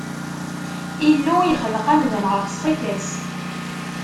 Illu yexleq amdan ɣef ṣṣifa-s.